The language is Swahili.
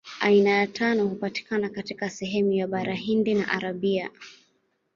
Aina ya tano hupatikana katika sehemu ya Bara Hindi na Arabia.